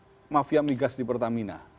dia mengkritik mafia migas di pertamina